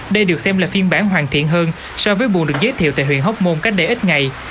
đây được xem là phiên bản hoàn thiện hơn so với buồn được giới thiệu tại huyện hóc môn cách đây ít ngày